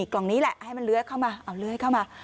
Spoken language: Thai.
กล่องนี้แหละให้มันเลื้อยเข้ามาเอาเลื้อยเข้ามา